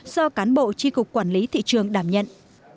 do cán bộ tri cục quản lý thị trường đảm nhận